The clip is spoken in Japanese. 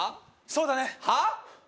そうだねはあ？